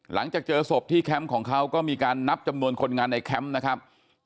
หลังจากเจอศพที่แคมป์ของเขาก็มีการนับจำนวนคนงานในแคมป์นะครับ